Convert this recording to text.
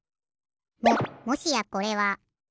ももしやこれは。